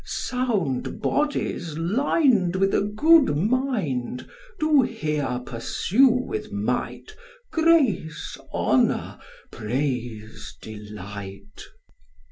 Sound bodies lined With a good mind, Do here pursue with might Grace, honour, praise, delight.